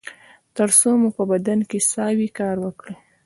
تر څو مو په بدن کې ساه وي کار وکړئ